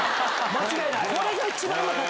間違いない。